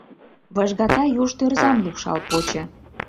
Выжгата юж тӧрзам лупшал почо.